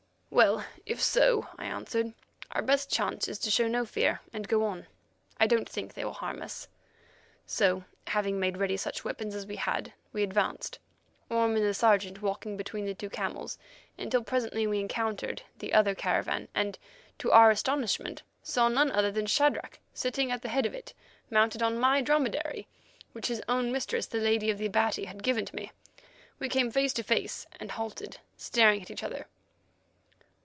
"Well, if so," I answered, "our best chance is to show no fear and go on. I don't think they will harm us." So, having made ready such weapons as we had, we advanced, Orme and the Sergeant walking between the two camels, until presently we encountered the other caravan, and, to our astonishment, saw none other than Shadrach riding at the head of it, mounted on my dromedary, which his own mistress, the Lady of the Abati, had given to me. We came face to face, and halted, staring at each other.